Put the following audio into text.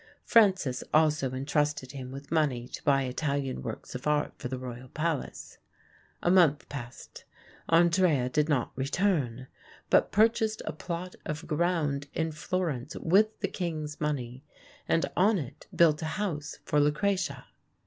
Francis also intrusted him with money to buy Italian works of art for the royal palace. A month passed. Andrea did not return; but purchased a plot of ground in Florence with the king's money, and on it built a house for Lucrezia.